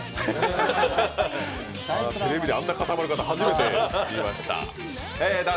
テレビであんな固まる方、初めて見ました。